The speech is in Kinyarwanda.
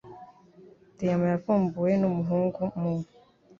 Diyama yavumbuwe numuhungu mu .